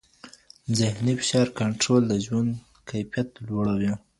ذهني فشار کنټرول د ژوند کیفیت لوړوي.